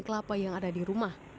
kelapa yang ada di rumah